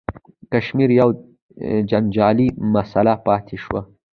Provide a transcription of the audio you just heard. کشمیر یوه جنجالي مسله پاتې شوه.